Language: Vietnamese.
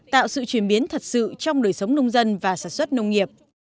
tạo sự chuyển biến thật sự trong đời sống nông dân và sản xuất nông nghiệp